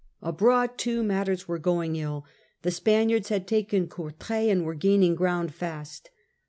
Abroad, too, matters were going ill : the Spaniards had taken Courtrai, and were gaining ground fast.